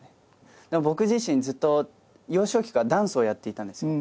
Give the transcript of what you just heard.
僕自身ずっと幼少期からダンスをやっていたんです。